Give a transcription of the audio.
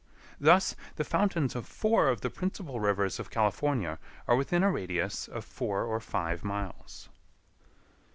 Thus, the fountains of four of the principal rivers of California are within a radius of four or five miles.